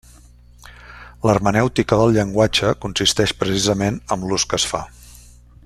L'hermenèutica del llenguatge consisteix precisament en l'ús que es fa.